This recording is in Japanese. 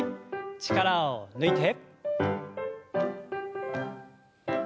力を抜いて。